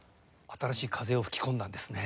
新しい風を吹き込んだんですね。